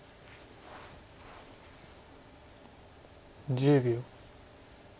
１０秒。